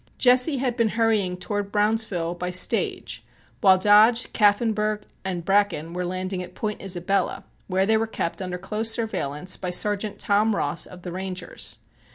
Jesse had been hurrying toward Brownsville by stage while Dodge, Kaffenburgh and Bracken were landing at Point Isabella, where they were kept under close surveillance by Sergeant Tom Ross of the Rangers.